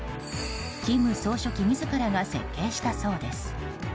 金総書記自らが設計したそうです。